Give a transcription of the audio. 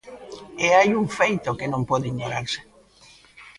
E hai un feito que non pode ignorarse.